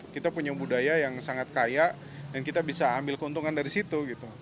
kita punya budaya yang sangat kaya dan kita bisa ambil keuntungan dari situ